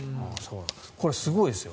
これ、すごいですよ。